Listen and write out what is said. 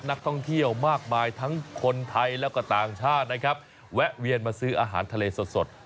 นักท่องเที่ยวมากมายทั้งคนไทยแล้วก็ต่างชาตินะครับแวะเวียนมาซื้ออาหารทะเลสด